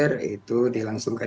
proses tender itu dilangsungkan